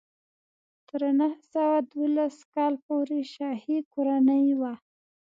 تر نهه سوه دولس کال پورې شاهي کورنۍ وه.